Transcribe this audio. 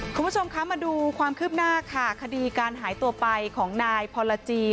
คุณผู้ชมคะมาดูความคืบหน้าค่ะคดีการหายตัวไปของนายพรจี